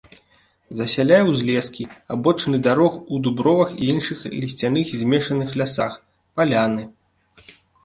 Засяляе узлескі, абочыны дарог у дубровах і іншых лісцяных і змешаных лясах, паляны.